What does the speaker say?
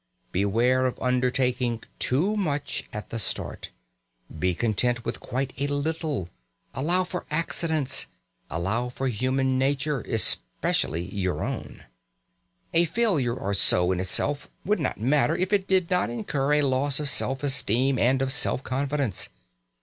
Beware of undertaking too much at the start. Be content with quite a little. Allow for accidents. Allow for human nature, especially your own. A failure or so, in itself, would not matter, if it did not incur a loss of self esteem and of self confidence.